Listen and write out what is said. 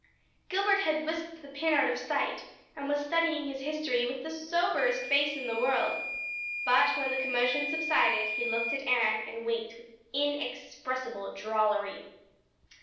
Gilbert had whisked the pin out of sight and was studying his history with the soberest face in the world; but when the commotion subsided he looked at Anne and winked with inexpressible drollery.